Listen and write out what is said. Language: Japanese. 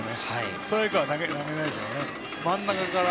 ストライクは投げないでしょうね。